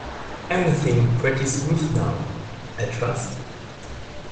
Everything pretty smooth now, I trust?